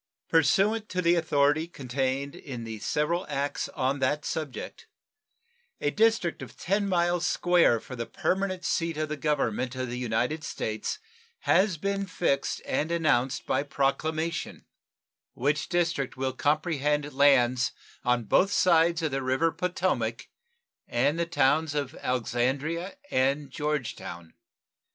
Pursuant to the authority contained in the several acts on that subject, a district of 10 miles square for the permanent seat of the Government of the United States has been fixed and announced by proclamation, which district will comprehend lands on both sides of the river Potomac and the towns of Alexandria and Georgetown.